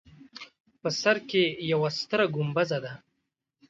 په سر کې یوه ستره ګومبزه ده.